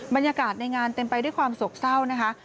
บรรยากาศในงานเต็มไปด้วยความโศกเศร้านะคะ